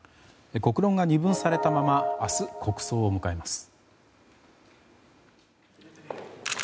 国論が二分されたまま明日、国葬を迎えます。